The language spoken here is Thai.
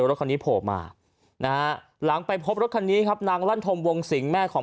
รถคันนี้โผล่มานะฮะหลังไปพบรถคันนี้ครับนางลั่นธมวงสิงแม่ของ